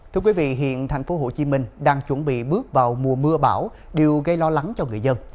thưa quý vị hiện tp hcm đang chuẩn bị bước vào mùa mưa bão đều gây lo lắng cho người dân